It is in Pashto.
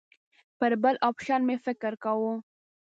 پر بل اپشن مې فکر کاوه.